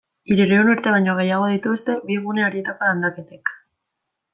Hirurehun urte baino gehiago dituzte bi gune horietako landaketek.